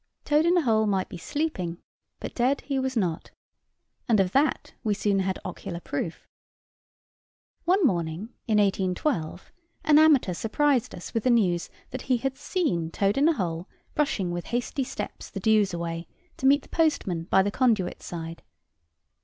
Toad in the hole might be sleeping, but dead he was not; and of that we soon had ocular proof. One morning in 1812, an amateur surprised us with the news that he had seen Toad in the hole brushing with hasty steps the dews away to meet the postman by the conduit side.